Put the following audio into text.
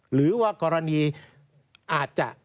หรือว่ากรณีอาจจะ